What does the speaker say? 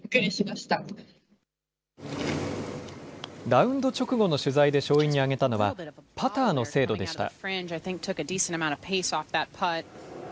ラウンド直後の取材で勝因に挙げたのはパターの精度でした。